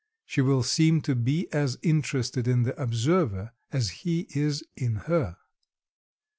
She will seem to be as interested in the observer as he is in her.